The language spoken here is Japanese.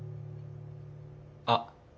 あっ！